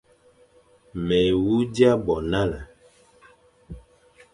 Mé wu dia bo nale,